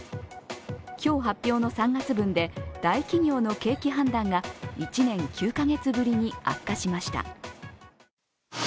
今日発表の３月分で大企業の景気判断が１年９カ月ぶりに悪化しました。